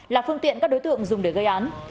là phương tiện các đối tượng dùng để gây án